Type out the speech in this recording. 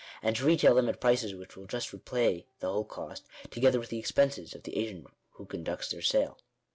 and to retail them at prices which will just repay the wholesale cost, together with the expenses of the agent who conducts their sale."